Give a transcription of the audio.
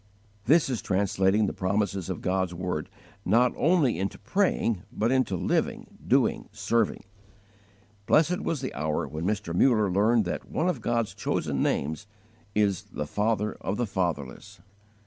This is translating the promises of God's word, not only into praying, but into living, doing, serving. Blessed was the hour when Mr. Muller learned that one of God's chosen names is "the Father of the fatherless"!